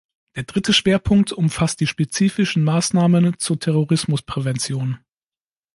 Der dritte Schwerpunkt umfasst die spezifischen Maßnahmen zur Terrorismusprävention.